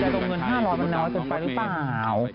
ดูเขาติดใจตรงเงิน๕๐๐บาทแล้วว่าจะไปหรือเปล่า